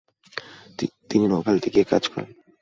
তিনি নোয়াখালীতে গিয়ে কাজ করেন।